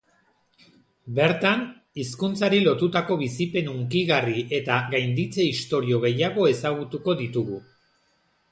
Bertan, hizkuntzari lotutako bizipen hunkigarri eta gainditze istorio gehiago ezagutuko ditugu.